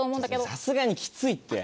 さすがにきついって。